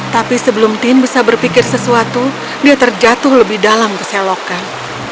tapi sebelum tim bisa berpikir sesuatu dia terjatuh lebih dalam keselokan